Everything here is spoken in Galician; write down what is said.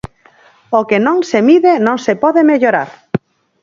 O que non se mide non se pode mellorar.